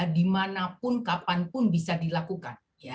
dimanapun kapanpun bisa dilakukan